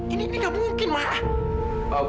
ini ini gak mungkin ma